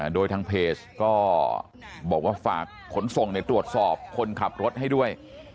โดยทางเพจก็บอกว่าฝากขนส่งตรวจสอบคนขับรถให้ด้วย